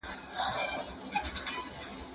دې لیکوال د تیمورشاه دراني په وخت کې کتاب بشپړ کړ.